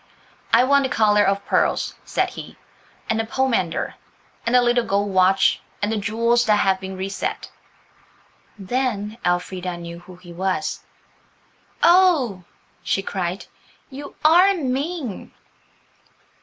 "I want the collar of pearls," said he, "and the pomander, and the little gold watch, and the jewels that have been reset." Then Elfrida knew who he was. "Oh," she cried, "you are mean!"